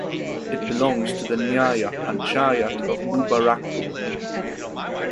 It belongs to the nyaya panchayat of Mubarakpur.